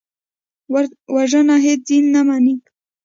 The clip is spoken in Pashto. وژنه هېڅ دین نه مني